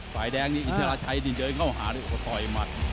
ฝ่ายแดงนี่อินทราชัยนี่เจ๋ยเง่าหาด้วยก็ต่อยมัด